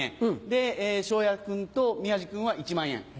で昇也君と宮治君は１万円。